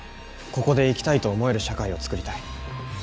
ここで生きたいと思える社会を作りたい。